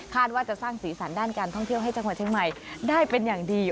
ว่าจะสร้างสีสันด้านการท่องเที่ยวให้จังหวัดเชียงใหม่ได้เป็นอย่างดี